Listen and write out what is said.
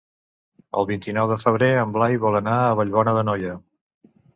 El vint-i-nou de febrer en Blai vol anar a Vallbona d'Anoia.